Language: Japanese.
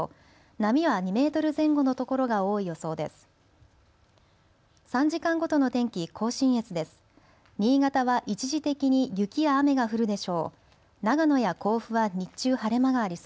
波は２メートル前後のところが多い予想です。